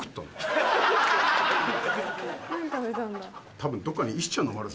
多分。